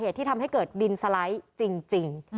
ที่ทำให้เกิดดินสไลด์จริง